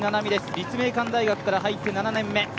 立命館大学から入って７年目。